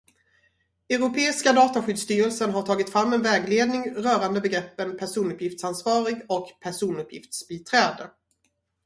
Europeiska dataskyddsstyrelsen har tagit fram en vägledning rörande begreppen personuppgiftsansvarig och personuppgiftsbiträde.